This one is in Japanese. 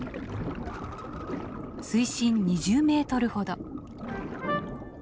水深２０メートルほど。